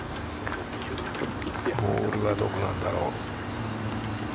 ボールはどこなんだろう。